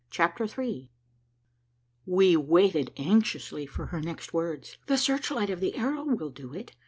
CHAPTER III We waited anxiously for her next words. "The search light of the Arrow will do it.